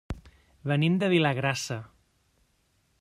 Venim de Vilagrassa.